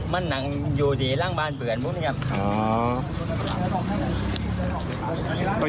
มันหนังอยู่ดีร่างบานเบื่อนพวกนี้ครับ